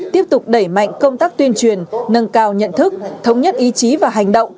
tiếp tục đẩy mạnh công tác tuyên truyền nâng cao nhận thức thống nhất ý chí và hành động